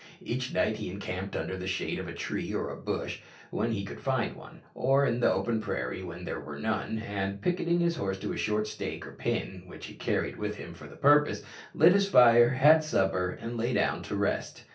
Each night he encamped under the shade of a tree or a bush when he could find one, or in the open prairie when there were none, and, picketing his horse to a short stake or pin which he carried with him for the purpose, lit his fire, had supper, and lay down to rest.